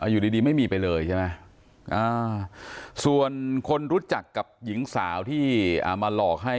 อยู่ดีไม่มีไปเลยใช่ไหมส่วนคนรู้จักกับหญิงสาวที่มาหลอกให้